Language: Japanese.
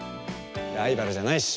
ライバルじゃないし。